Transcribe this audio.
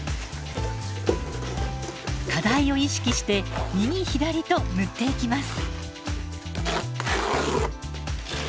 課題を意識して右左と塗っていきます。